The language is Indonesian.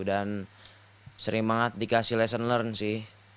dan sering banget dikasih lesson learned sih